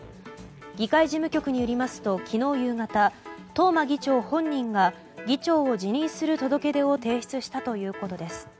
議会事務局によりますと昨日夕方東間議長本人が議長を辞任する届け出を提出したということです。